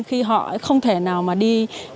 khi họ không thể nào mà đi